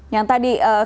yang tadi ee